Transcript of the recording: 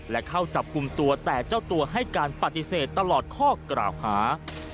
และเข้าจับกลุ่มตัวแต่เจ้าตัวให้การปฏิเสธตลอดข้อกล่าวหา